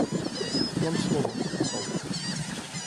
Вам слово, посол.